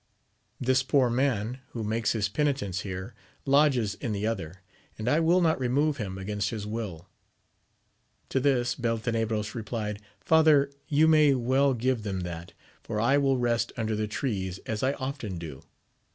This poor man, who makes his penitence here, lodges in the other, and I will not remove him against his will. To this Belte nebros replied. Father, you may well give them that, for I will rest under the trees, as I often do.